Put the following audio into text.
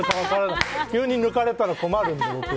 急に抜かれたら困るんで。